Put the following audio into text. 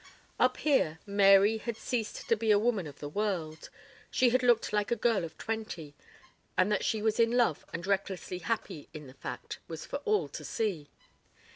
Up here "Mary" had ceased to be a woman of the world, she had looked like a girl of twenty: and that she was in love and recklessly happy in the fact, was for all to see.